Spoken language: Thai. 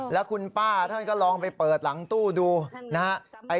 แล้วคุณป้าท่านก็ลองไปเปิดหลังตู้ดูนะฮะ